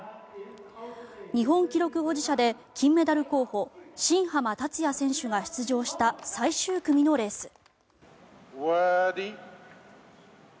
日本記録保持者で金メダル候補新濱立也選手が出場した最終組のレース。